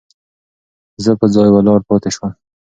زه په ځای ولاړ پاتې شوم.